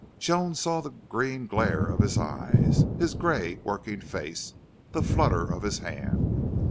Joan saw the green glare of his eyes his gray working face the flutter of his hand.